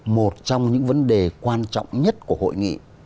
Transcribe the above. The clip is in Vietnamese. một trong những vấn đề quan trọng nhất của hội nghị